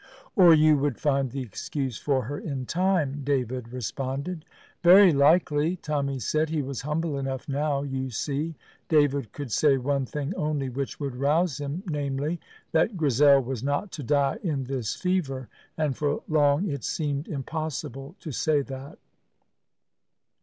"Or you would find the excuse for her in time," David responded. "Very likely," Tommy said. He was humble enough now, you see. David could say one thing only which would rouse him, namely, that Grizel was not to die in this fever; and for long it seemed impossible to say that.